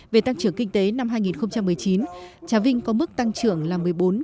về tăng trưởng kinh tế năm hai nghìn một mươi chín trà vinh có mức tăng trưởng là một mươi bốn năm